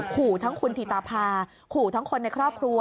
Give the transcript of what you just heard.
ขู่ทั้งคุณธิตาภาขู่ทั้งคนในครอบครัว